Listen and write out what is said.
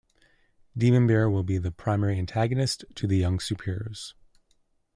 Demon Bear will be the primary antagonist to the young superheroes.